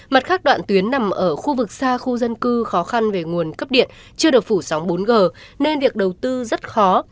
mặt khác đoạn tuyến nằm ở khu vực xa khu dân cư khó khăn về nguồn cấp điện chưa được phủ sóng bốn g nên việc đầu tư rất khó